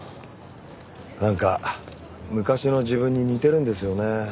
なんか昔の自分に似てるんですよね。